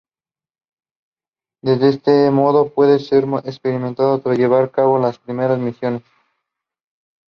De este modo pueden ser examinados tras llevar a cabo las primeras misiones.